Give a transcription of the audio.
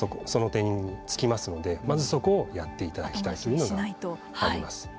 その点につきますのでまずそこをやっていただきたいというのがあります。